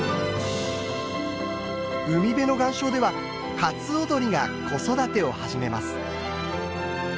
海辺の岩礁ではカツオドリが子育てを始めます。